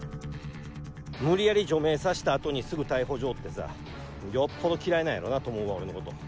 無理やり除名させたあとに、すぐ逮捕状ってさ、よっぽど嫌いなんやろうなと思うわ、俺のこと。